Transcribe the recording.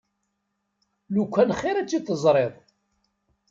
Lukan xir i tt-id-teẓriḍ!